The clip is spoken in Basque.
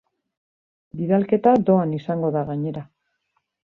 Bidalketa doan izango da, gainera.